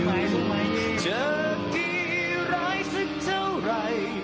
มากนะคะ